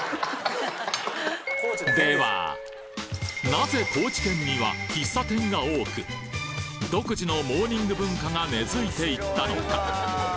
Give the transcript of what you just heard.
なぜ高知県には喫茶店が多く独自のモーニング文化が根付いていったのか。